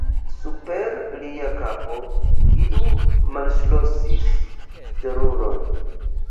Super lia kapo iu malŝlosis seruron.